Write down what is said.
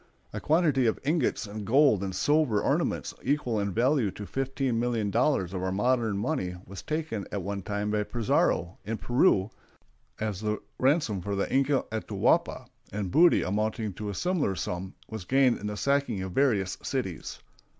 A quantity of ingots and gold and silver ornaments equal in value to fifteen million dollars of our modern money was taken at one time by Pizarro, in Peru, as the ransom of the Inca Atahualpa, and booty amounting to a similar sum was gained in the sacking of various cities.